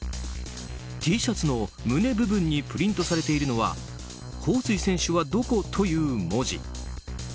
Ｔシャツの胸部分にプリントされているのはホウ・スイ選手はどこ？という文字。